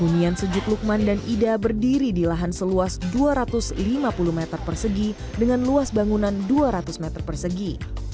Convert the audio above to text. hunian sejuk lukman dan ida berdiri di lahan seluas dua ratus lima puluh meter persegi dengan luas bangunan dua ratus meter persegi